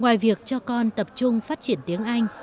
ngoài việc cho con tập trung phát triển tiếng anh